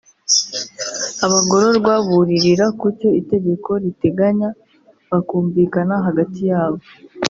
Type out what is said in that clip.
Abagororwa buririra ku cyo itegeko riteganya bakumvikana hagati yabo